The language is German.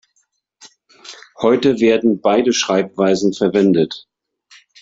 Heute werden beide Schreibweisen verwendet.